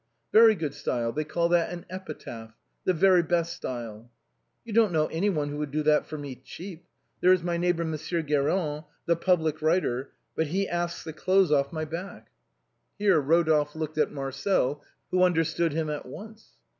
"Very good style — they call that an epitaph — the very best style." 108 THE BOnEMI \îTS OF THE LATIN QUARTER. "You don't know any one who would do that for me cheap ? There is my neighbor Monsieur Guérin, the public writer, but he asks the clothes off my back." Here Eodolphe darted a look at Marcel, who understood him at once.